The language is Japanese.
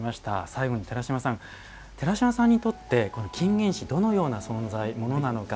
最後に寺島さん寺島さんにとって金銀糸どのような存在、ものなのか。